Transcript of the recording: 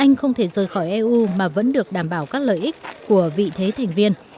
anh không thể rời khỏi eu mà vẫn được đảm bảo các lợi ích của vị thế thành viên